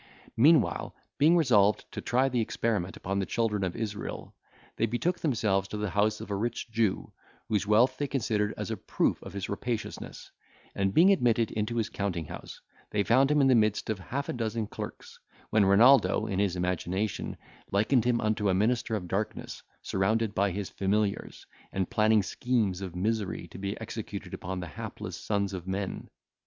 Meanwhile, being resolved to try the experiment upon the children of Israel, they betook themselves to the house of a rich Jew, whose wealth they considered as a proof of his rapaciousness; and, being admitted into his counting house, they found him in the midst of half a dozen clerks, when Renaldo, in his imagination, likened him unto a minister of darkness surrounded by his familiars, and planning schemes of misery to be executed upon the hapless sons of men.